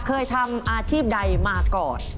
เคยทำอาชีพใดมาก่อน